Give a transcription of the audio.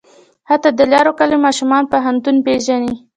حتی د لرې کلي ماشوم پوهنتون پېژني.